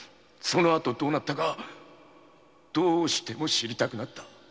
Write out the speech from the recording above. その後どうなったかどうしても知りたくなった